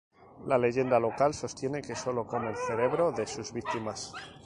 La leyenda local sostiene que solo come el cerebro de sus víctimas.